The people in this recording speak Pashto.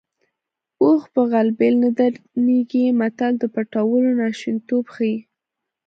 اوښ په غلبېل نه درنېږي متل د پټولو ناشونیتوب ښيي